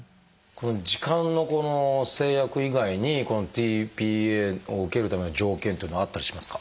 時間の制約以外にこのｔ−ＰＡを受けるための条件っていうのはあったりしますか？